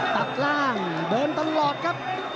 ตัดล่างเดินตลอดครับ